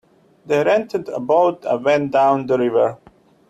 They rented a boat and went down the river.